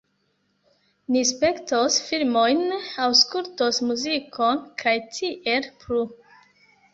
Ni spektos filmojn, aŭskultos muzikon, kaj tiel plu